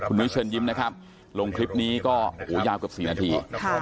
นุ้ยเชิญยิ้มนะครับลงคลิปนี้ก็ยาวเกือบ๔นาที